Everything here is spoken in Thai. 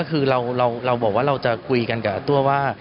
คือเราบอกว่าเราจะคุยกันกับตัวว่า